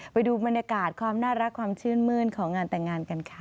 ไปดูบรรยากาศความน่ารักความชื่นมื้นของงานแต่งงานกันค่ะ